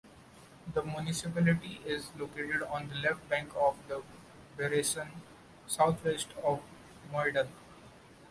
The municipality is located on the left bank of the Bressonne, southwest of Moudon.